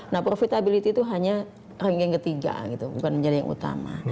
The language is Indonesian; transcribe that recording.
nah profitability itu hanya ranking ketiga gitu bukan menjadi yang utama